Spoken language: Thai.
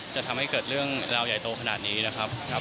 จะทำให้เกิดเรื่องราวใหญ่โตขนาดนี้นะครับ